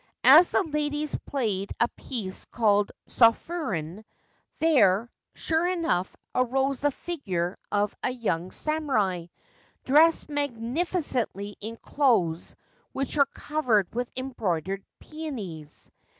As the ladies played a piece called * Sofuren,' there, sure enough, arose the figure of a young samurai, dressed magnificently in clothes which were covered with embroidered peonies.